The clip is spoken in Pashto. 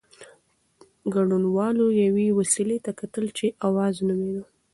ګډونوالو یوې وسيلې ته کتل چې "اوز" نومېده.